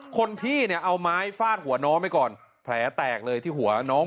คนพี่เนี่ยเอาไม้ฟาดหัวน้องไปก่อนแผลแตกเลยที่หัวน้อง